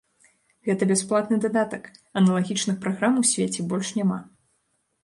Гэта бясплатны дадатак, аналагічных праграм у свеце больш няма.